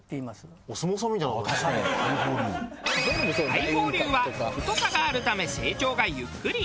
大鳳竜は太さがあるため成長がゆっくり。